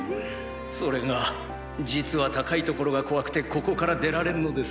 それが実は高い所が怖くてここから出られんのです。